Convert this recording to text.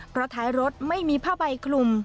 เพราะท้ายรถไม่มีผ้าใบคลุม